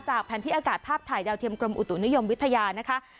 แผนที่อากาศภาพถ่ายดาวเทียมกรมอุตุนิยมวิทยานะคะ